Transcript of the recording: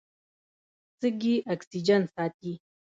سږي اکسیجن ساتي.